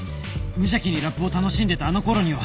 無邪気にラップを楽しんでたあの頃には